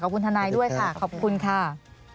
ขอบคุณทนายด้วยค่ะขอบคุณค่ะ